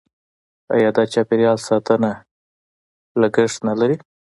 آیا د چاپیریال ساتنه لګښت نلري؟